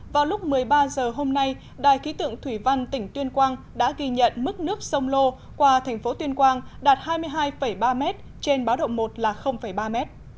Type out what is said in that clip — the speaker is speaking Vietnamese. vào lúc một mươi ba h hôm nay đài khí tượng thủy văn tỉnh tuyên quang đã ghi nhận mức nước sông lô qua thành phố tuyên quang đạt hai mươi hai ba m trên báo động một là ba m